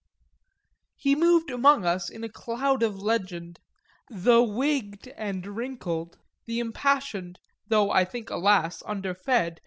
He moved among us in a cloud of legend, the wigged and wrinkled, the impassioned, though I think alas underfed, M.